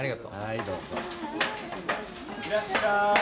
いらっしゃい。